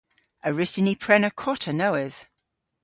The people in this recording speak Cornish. A wrussyn ni prena kota nowydh?